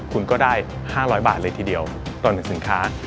คุณก็ได้๕๐๐บาทเลยทีเดียวต่อ๑สินค้า